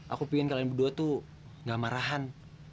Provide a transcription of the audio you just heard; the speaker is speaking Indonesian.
aku pingin kalian berdua tuh nggak marahan